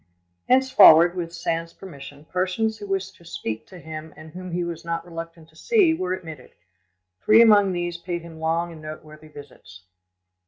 Henceforward, with Sand's permission, persons who wished to speak to him and whom he was not reluctant to see, were admitted: three among these paid him long and noteworthy visits.